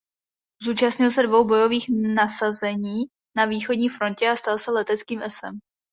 Zúčastnil se dvou bojových nasazení na východní frontě a stal se leteckým esem.